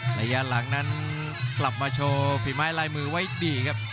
ระยะหลังนั้นกลับมาโชว์ฝีไม้ลายมือไว้ดีครับ